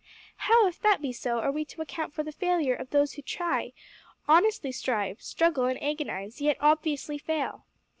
"How, if that be so, are we to account for the failure of those who try, honestly strive, struggle, and agonise, yet obviously fail?"